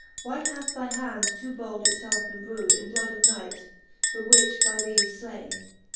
Why hath thy hand too bold itielfe embrewed In blood of knight, the which by thee is flaine.